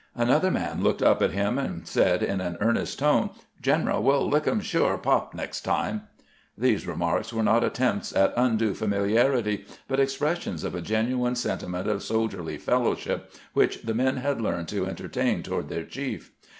Another man looked up at him, and said in an earnest tone, "General, we '11 lick 'em sure pop next time." These remarks were not attempts at undue famiharity, but expressions of a genuine sentiment of soldierly fellowship which the men had learned to en tertain toward their chief.